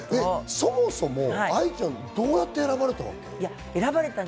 そもそも愛ちゃん、どうやって選ばれたの？